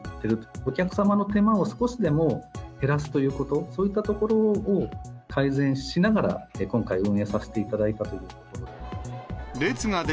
お客様の手間を少しでも減らすということ、そういったところを改善しながら、今回、運営させていただいたということで。